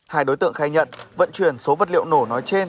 hai đối tượng khai nhận vận chuyển số vật liệu nổ nói trên